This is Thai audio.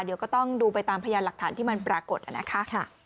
เดี๋ยวก็ต้องดูไปตามพยานหลักฐานที่มันปรากฏนะคะ